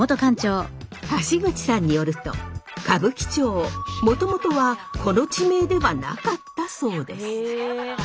橋口さんによると歌舞伎町もともとはこの地名ではなかったそうです。